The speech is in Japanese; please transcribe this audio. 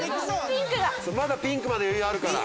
まだピンクまで余裕あるから。